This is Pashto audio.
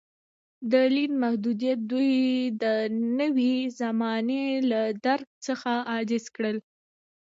د لید محدودیت دوی د نوې زمانې له درک څخه عاجز کړل.